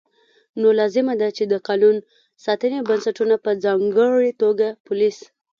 نو لازمه ده چې د قانون ساتنې بنسټونه په ځانګړې توګه پولیس